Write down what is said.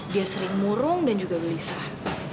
dia sering murung dan juga gelisah